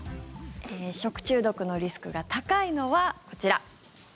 食中毒のリスクが高いのはこちら。